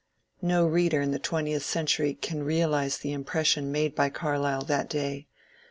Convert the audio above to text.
No reader in the twentieth century can realize the impression made by Carlyle that day.